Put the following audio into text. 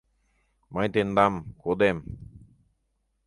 Мый тендам кодем…»